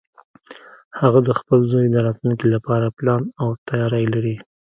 هغه د خپل زوی د راتلونکې لپاره پلان او تیاری لري